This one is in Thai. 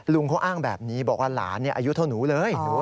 ลุงเขาอ้างแบบนี้บอกว่าหลานอายุเท่าหนูเลย